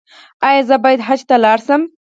ایا زه باید حج ته لاړ شم؟